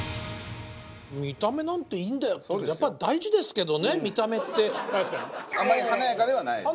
「見た目なんていいんだよ」っていうけどやっぱ大事ですけどね見た目って。あんまり華やかではないですね。